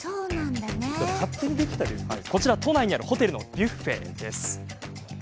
こちらは都内にあるホテルのビュッフェ。